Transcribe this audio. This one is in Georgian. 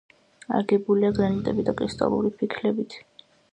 აგებულია გრანიტებით და კრისტალური ფიქლებით.